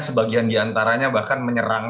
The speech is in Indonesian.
sebagian diantaranya bahkan menyerang